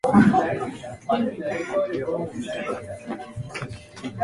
These lands were inhabited by the aboriginal Cree, Montagnais, Naskapi, and Inuit.